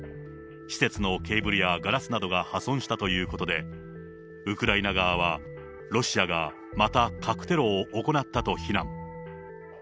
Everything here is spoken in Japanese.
施設のケーブルやガラスなどが破損したということで、ウクライナ側は、ロシアがまた核テロを行ったと非難。